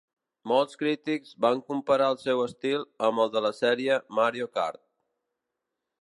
Molts crítics van comparar el seu estil amb el de la sèrie "Mario Kart".